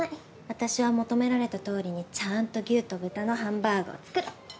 私は求められたとおりにちゃんと牛と豚のハンバーグを作る。